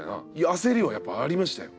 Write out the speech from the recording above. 焦りはやっぱありましたよ。